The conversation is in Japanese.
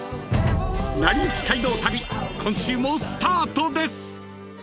［今週もスタートです！］